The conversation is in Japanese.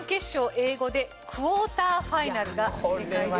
英語でクォーターファイナルが正解です。